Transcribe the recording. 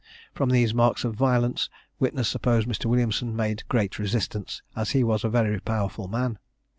From these marks of violence witness supposed Mr. Williamson made great resistance, as he was a very powerful man.